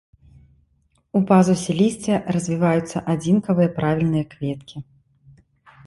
У пазусе лісця развіваюцца адзінкавыя правільныя кветкі.